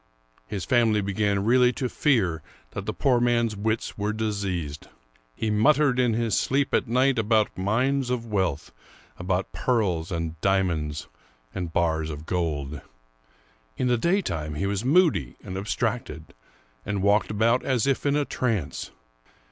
His family began really to fear that the poor man's wits were diseased. He muttered in his sleep at night about mines of wealth, about pearls and diamonds, and bars of gold. In the daytime he was moody and abstracted, and walked about as if in a trance.